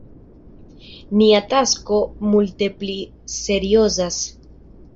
Nia tasko multe pli seriozas!